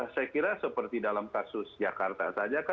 saya kira seperti dalam kasus jakarta saja